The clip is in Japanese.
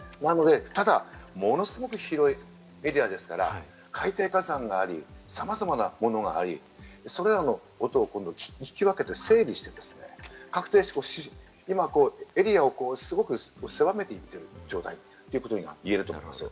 ただ、ものすごく広いエリアですから、海底火山があり、さまざまなものがあり、それらの音を聞き分けて、整理して、確定するエリアを今狭めている状態ということが言えると思います。